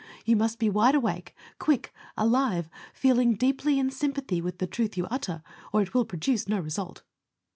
You must be wide awake, quick, alive, feeling deeply in sympathy with the truth you utter, or it will produce no result.